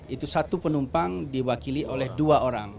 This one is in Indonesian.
itu satu penumpang diwakili oleh dua orang